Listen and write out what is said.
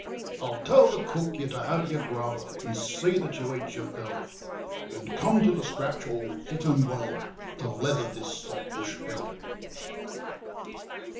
I'll tell the cook you're to have your grub, and see that you eat your fill, And come to the scratch all fit and well to leather this Saltbush Bill.'